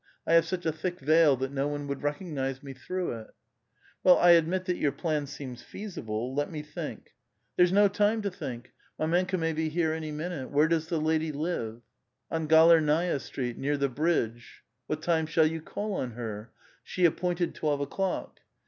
I have such a thick veil that no one would recognize me through it." '* Well, I admit that your plan seems feasible. Let me think :"'* There's no time to think! Mdmenka may be here any minute. Where doi'S the lady live?" '* On Galernaia Street, near the bridge." '' What time shall you call on her?" " She apiM>inted twelve o'clock."